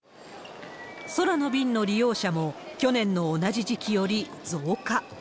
空の便の利用者も去年の同じ時期より増加。